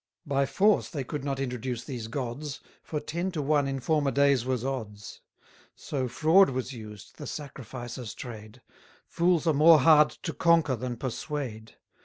By force they could not introduce these gods; For ten to one in former days was odds. So fraud was used, the sacrificer's trade: Fools are more hard to conquer than persuade.